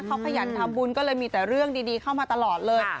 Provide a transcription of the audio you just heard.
เขาขยันทำบุญก็เลยมีแต่เรื่องดีเข้ามาตลอดเลย